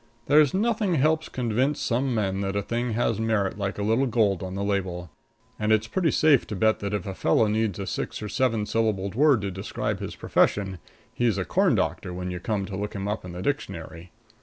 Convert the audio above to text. There's nothing helps convince some men that a thing has merit like a little gold on the label. And it's pretty safe to bet that if a fellow needs a six or seven syllabled word to describe his profession, he's a corn doctor when you come to look him up in the dictionary.